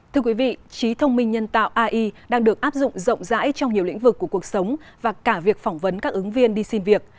thưa quý vị trí thông minh nhân tạo ai đang được áp dụng rộng rãi trong nhiều lĩnh vực của cuộc sống và cả việc phỏng vấn các ứng viên đi xin việc